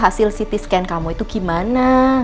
hasil ct scan kamu itu gimana